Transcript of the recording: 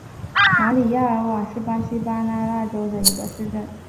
马里亚尔瓦是巴西巴拉那州的一个市镇。